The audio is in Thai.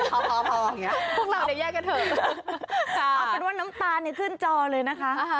พอพอพอพวกเราจะแยกกันเถอะค่ะเอาเป็นว่าน้ำตาในทื่นจอเลยนะคะอ่าฮะ